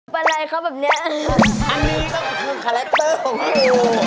เป็นอะไรครับแบบเนี้ยอันนี้ต้องเป็นคาแรกเตอร์ของข้าดู